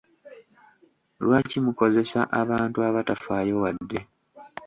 Lwaki mukozesa abantu abatafaayo wadde?